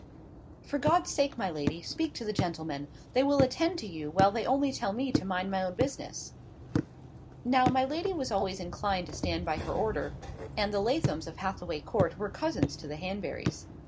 For God's sake, my lady, speak to the gentlemen; they will attend to you, while they only tell me to mind my own business." Now my lady was always inclined to stand by her order, and the Lathoms of Hathaway Court were cousins to the Hanbury's.